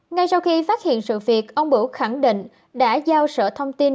ngay sau khi phát hiện sự việc ông bửu khẳng định đã giao sở thông tin